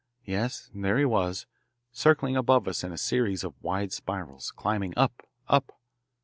Yes, there he was, circling above us in a series of wide spirals, climbing up, up.